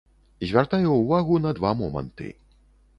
Звяртаю ўвагу на два моманты.